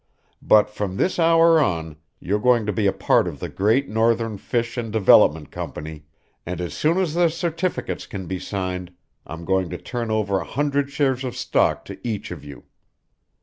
But from this hour on you're going to be a part of the Great Northern Fish and Development Company, and as soon as the certificates can be signed I'm going to turn over a hundred shares of stock to each of you.